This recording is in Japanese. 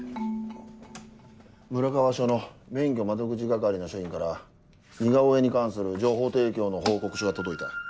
村川署の免許窓口係の署員から似顔絵に関する情報提供の報告書が届いた。